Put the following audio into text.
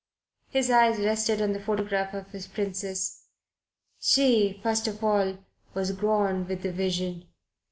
His eyes rested on the photograph of his Princess. She, first of all, was gone with the Vision.